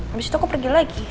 habis itu aku pergi lagi